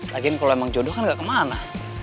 lagian kalo emang jodoh kan ga kemana